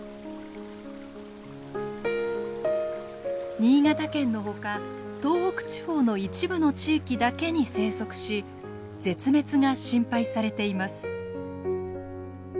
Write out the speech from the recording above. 新潟県のほか東北地方の一部の地域だけに生息し絶滅が心配されています。